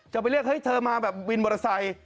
จะไปเรียกเฮ้ยเธอมาแบบวินมอเตอร์ไซค์